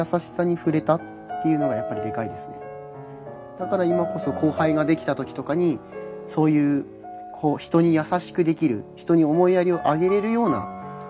だから今こそ後輩ができたときとかにそういう人に優しくできる人に思いやりをあげられるような人になれたら。